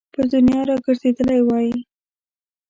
پر دنیا را ګرځېدلی وای.